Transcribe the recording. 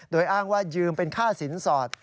โดยอ้างว่ายืมเป็นค่าสินสอด